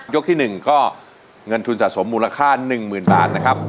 ที่๑ก็เงินทุนสะสมมูลค่า๑๐๐๐บาทนะครับ